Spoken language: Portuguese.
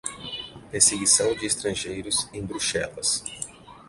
Perseguição de Estrangeiros em Bruxelas